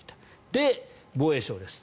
で、防衛省です。